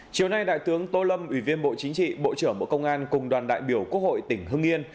chiều nay đại tướng tô lâm ủy viên bộ chính trị bộ trưởng bộ công an cùng đoàn đại biểu quốc hội tỉnh hưng yên